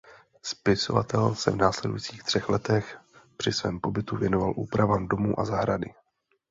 Spisovatel se v následujících třech letech při svém pobytu věnoval úpravám domu a zahrady.